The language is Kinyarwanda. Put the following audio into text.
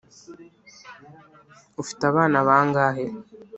ufite abana bangahe?